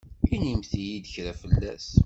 Inimt-yi-d kra fell-as.